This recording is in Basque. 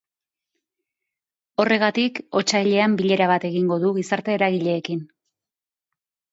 Horregatik, otsailean bilera bat egingo du gizarte eragileekin.